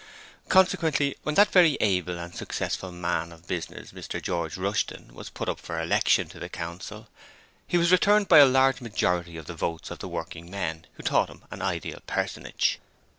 Consequently, when that very able and successful man of business Mr George Rushton was put up for election to the Council he was returned by a large majority of the votes of the working men who thought him an ideal personage...